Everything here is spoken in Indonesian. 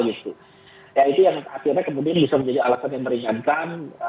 ya itu yang akhirnya kemudian bisa menjadi alasan yang meringankan